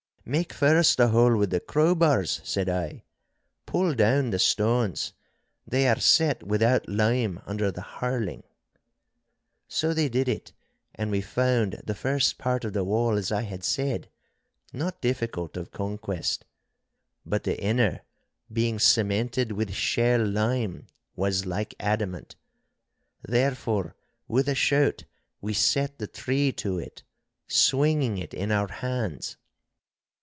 'Make first a hole with the crowbars,' said I. 'Pull down the stones; they are set without lime under the harling.' So they did it, and we found the first part of the wall as I had said, not difficult of conquest; but the inner, being cemented with shell lime, was like adamant. Therefore, with a shout, we set the tree to it, swinging it in our hands.